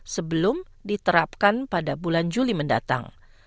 sebelum diterapkan pada bulan juli mendatang